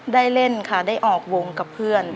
เล่นค่ะได้ออกวงกับเพื่อน